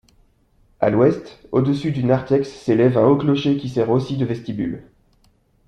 À l'ouest, au-dessus du narthex s'élève un haut clocher qui sert aussi de vestibule.